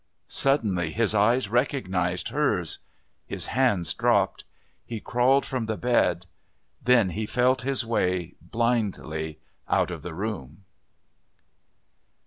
Suddenly his eyes recognised hers. His hands dropped. He crawled from the bed. Then he felt his way, blindly, out of the room.